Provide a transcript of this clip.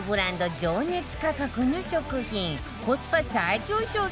情熱価格の食品コスパ最強商品